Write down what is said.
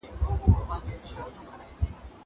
هغه څوک چي زدکړه کوي پوهه زياتوي.